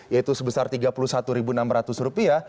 yaitu sebesar rp tiga puluh satu enam ratus